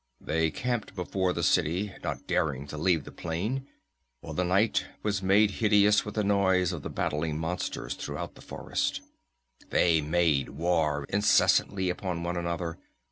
"They camped before the city, not daring to leave the plain, for the night was made hideous with the noise of the battling monsters throughout the forest. They made war incessantly upon one another.